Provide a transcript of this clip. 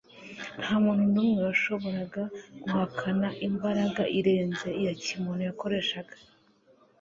Nta muntu n'umwe washoboraga guhakana imbaraga irenze iya kimuntu yakoreshaga.